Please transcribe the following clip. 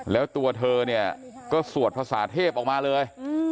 แล้วตัวเธอเนี่ยก็สวดภาษาเทพออกมาเลย